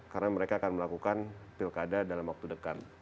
karena mereka akan melakukan pilkada dalam waktu dekat